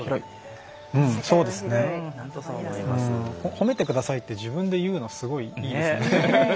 褒めてくださいって自分で言うのすごい、いいですね。